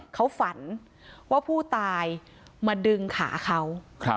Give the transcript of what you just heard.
เขาฝันว่าผู้ตายมาดึงขาเขา